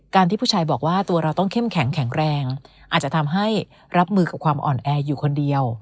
ที่ผู้ชายบอกว่าตัวเราต้องเข้มแข็งแข็งแรงอาจจะทำให้รับมือกับความอ่อนแออยู่คนเดียว